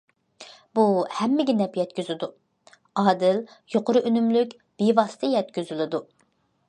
بۇ ھەممىگە نەپ يەتكۈزىدۇ، ئادىل، يۇقىرى ئۈنۈملۈك، بىۋاسىتە يەتكۈزۈلىدۇ.